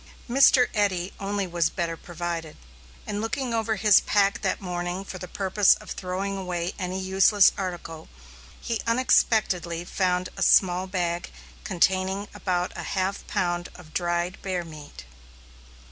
Mr. Eddy only was better provided. In looking over his pack that morning for the purpose of throwing away any useless article, he unexpectedly found a small bag containing about a half pound of dried bear meat.